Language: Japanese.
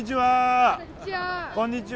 こんにちは。